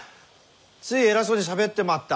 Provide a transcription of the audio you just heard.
つい偉そうにしゃべってまった。